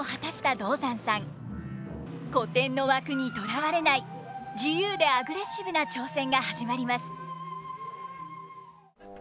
古典の枠にとらわれない自由でアグレッシブな挑戦が始まります。